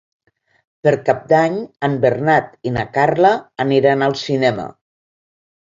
Per Cap d'Any en Bernat i na Carla aniran al cinema.